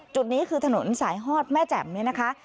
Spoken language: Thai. จุดนี้คือถนนสายฮอดแม่แจ่มเนี่ยนะคะ